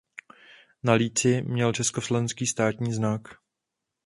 Na líci měl československý státní znak.